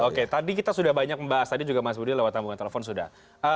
oke tadi kita sudah banyak membahas tadi juga mas budi lewat sambungan telepon sudah